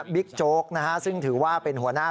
บิ๊กโจ๊กซ์นะฮะซึ่งถือว่าเป็นหัวหน้า